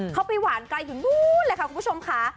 เขาไปหวานไกลอยู่นู้นเลยค่ะคุณผู้ชมค่ะ